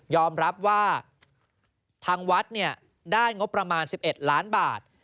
รับว่าทางวัดได้งบประมาณ๑๑ล้านบาท